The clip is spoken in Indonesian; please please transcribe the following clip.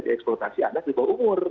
dieksploitasi anak di bawah umur